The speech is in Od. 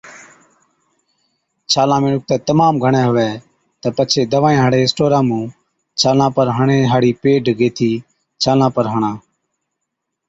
ڇالان ۾ ڏُکتَي تمام گھڻَي هُوَي تہ پڇي دَوائِيان هاڙي اسٽورا مُون ڇالان پر هڻڻي هاڙِي پيڊ گيهٿِي ڇالان پر هڻا،